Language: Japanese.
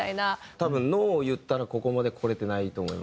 多分ノーを言ったらここまでこれてないと思います。